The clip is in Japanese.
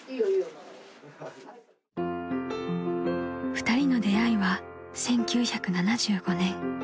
［２人の出会いは１９７５年］